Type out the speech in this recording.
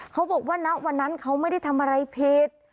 เขาบอกว่าณวันนั้นเขาไม่ได้ทำอะไรผิด